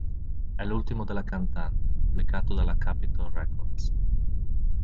È l'ultimo della cantante pubblicato dalla Capitol Records.